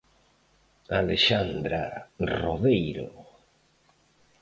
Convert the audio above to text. Alexandra Rodeiro.